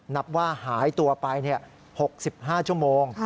นับว่าหายตัวไป๖๕ชั่วโมง